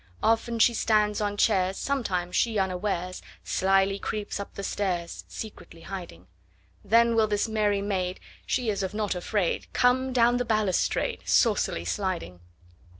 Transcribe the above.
Often she stands on chairs, Sometimes she unawaresSlyly creeps up the stairs, Secretly hiding:Then will this merry maid—She is of nought afraid—Come down the balustrade, Saucily sliding!